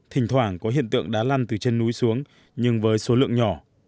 thỉnh thoảng có hiện tượng đá lăn từ trên núi xuống nhưng với số lượng nhỏ